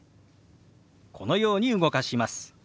このように動かします。